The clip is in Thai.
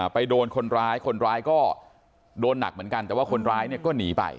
ไปโดนคนร้ายคนร้ายก็โดนหนักเหมือนกันแต่ว่าคนร้ายเนี่ยก็หนีไป